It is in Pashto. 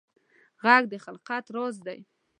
غږ د خلقت راز دی